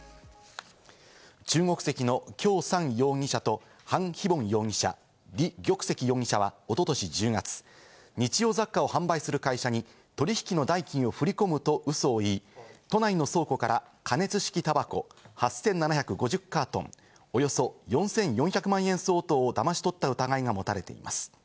中国籍のキョウ・サン容疑者とハン・ヒボン容疑者、リ・ギョクセキ容疑者はおととし１０月、日用雑貨を販売する会社に取引の代金を振り込むとウソを言い、都内の倉庫から加熱式たばこ８７５０カートン、およそ４４００万円相当をだまし取った疑いが持たれています。